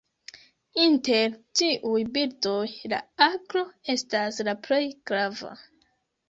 Inter tiuj birdoj la aglo estas la plej grava.